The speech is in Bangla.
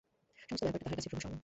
সমস্ত ব্যাপারটা তাহার কাছে প্রহসন।